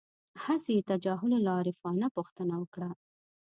هسې یې تجاهل العارفانه پوښتنه وکړه.